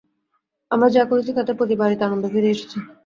আমরা যা করেছি তাতে প্রতি বাড়িতে আনন্দ ফিরে এসেছে।